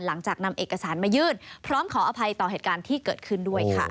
หลังจากนำเอกสารมายื่นพร้อมขออภัยต่อเหตุการณ์ที่เกิดขึ้นด้วยค่ะ